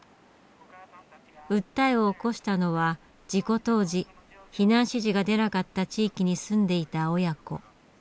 訴えを起こしたのは事故当時避難指示が出なかった地域に住んでいた親子。